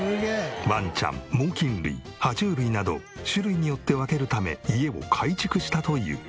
ワンちゃん猛禽類爬虫類など種類によって分けるため家を改築したという。